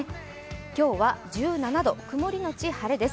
今日は１７度、曇り後晴れです。